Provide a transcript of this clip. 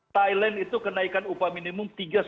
thailand itu kenaikan upah minimum